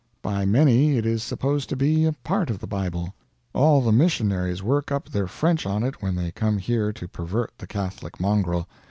By many it is supposed to be a part of the Bible. All the missionaries work up their French on it when they come here to pervert the Catholic mongrel.